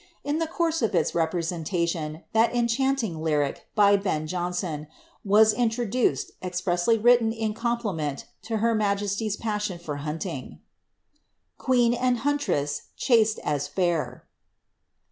In the course of its representation, that enchanting lyric, by Ben Jonson, was introduced, expressly written in compliment to her majesty's passion for hunting —Queen and huntress, chaste as fair.'